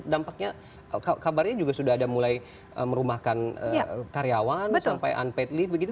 dampaknya kabarnya juga sudah ada mulai merumahkan karyawan sampai unpad lift begitu